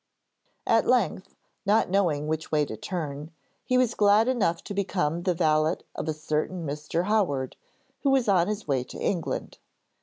At length, not knowing which way to turn, he was glad enough to become the valet of a certain Mr. Howard, who was on his way to England.